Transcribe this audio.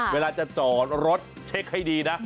เวลาจะจอดรถเช็คให้ดีนะ